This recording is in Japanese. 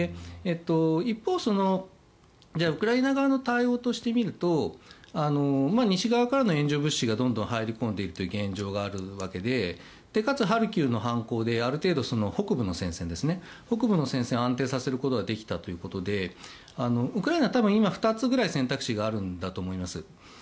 一方、ウクライナ側の対応としてみると西側からの援助物資がどんどん入り込んでいるという現状があるわけでかつハルキウの反攻である程度、北部の戦線を安定させることができたということでウクライナは多分今２つぐらい選択肢があるんだと思うんです。